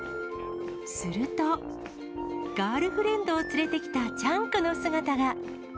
すると、ガールフレンドを連れてきたチャンクの姿が。